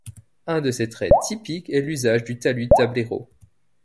Un de ses traits typiques est l'usage du talud-tablero.